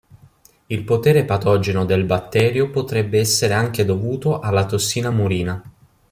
Il potere patogeno del batterio potrebbe essere anche dovuto alla tossina murina.